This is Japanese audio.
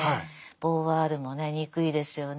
ボーヴォワールもねにくいですよね。